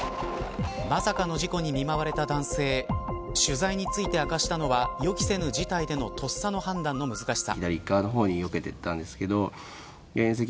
まさかの事故に見舞われた男性取材について明かしたのは予期せぬ事態でのとっさの判断の難しさ。